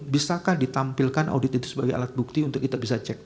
bisakah ditampilkan audit itu sebagai alat bukti untuk kita bisa cek